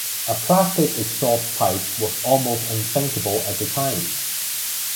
A plastic exhaust pipe was almost unthinkable at the time.